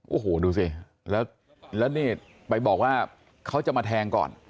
โอ้โหดูสิแล้วนี่ไปบอกว่าเขาจะมาแทงก่อน